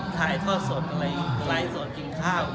ขายทอดสดอะไรรายสดกินข้าวอะไร